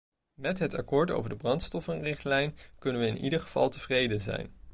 Met het akkoord over de brandstoffenrichtlijn kunnen we in ieder geval tevreden zijn.